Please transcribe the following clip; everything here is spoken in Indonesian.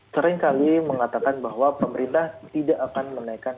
sering kali mengatakan bahwa pemerintah tidak akan menaikan